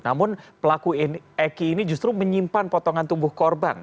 namun pelaku eki ini justru menyimpan potongan tubuh korban